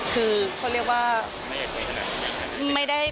คือเขาเรียกว่า